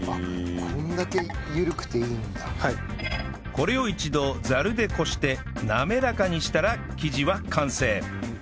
これを一度ザルでこして滑らかにしたら生地は完成